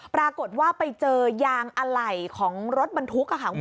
ปรากฏว่าไปเจอยางอะไหล่ของรถมันทุกค์